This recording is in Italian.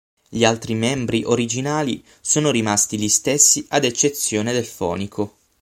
Gli altri membri originali sono rimasti gli stessi, ad eccezione del fonico.